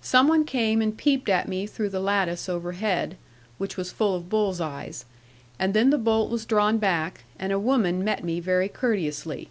Some one came and peeped at me through the lattice overhead, which was full of bulls' eyes; and then the bolt was drawn back, and a woman met me very courteously.